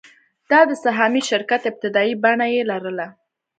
دا د سهامي شرکت ابتدايي بڼه یې لرله.